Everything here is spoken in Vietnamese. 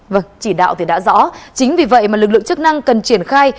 vâng chỉ đạo thì đã rõ chính vì vậy mà lực lượng chức năng cần triển khai